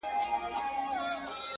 هر کس چې چېري مسئول ټاکل شوی